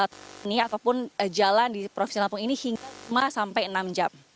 tol ini ataupun jalan di profesional tol ini hingga lima enam jam